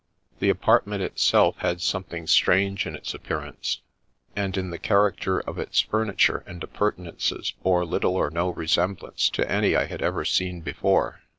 The apartment itself had something strange in its appear ance ; and, in the character of its furniture and appurtenances, bore little or no resemblance to any I had ever seen before.